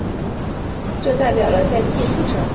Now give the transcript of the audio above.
这代表了在技术上确定恒星半径的两难状况。